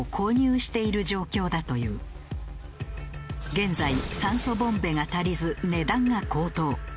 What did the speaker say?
現在酸素ボンベが足りず値段が高騰。